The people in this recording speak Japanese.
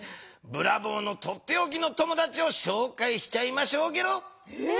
ブラボーのとっておきの友だちをしょうかいしちゃいましょうゲロ。え？